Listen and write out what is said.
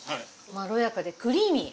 まろやかでクリーミー。